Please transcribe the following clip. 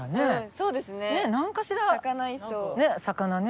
そうですね。